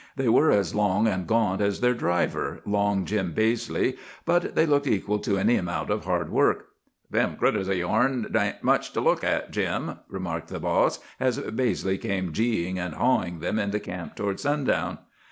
They were as long and gaunt as their driver, long Jim Baizley; but they looked equal to any amount of hard work. "'Them critters of yourn ain't much to look at, Jim,' remarked the boss, as Baizley came 'geeing' and 'hawing' them into camp toward sundown.